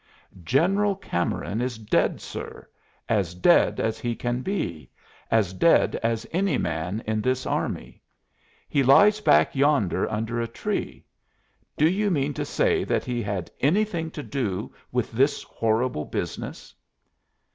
"General Cameron is dead, sir as dead as he can be as dead as any man in this army. He lies back yonder under a tree. Do you mean to say that he had anything to do with this horrible business?"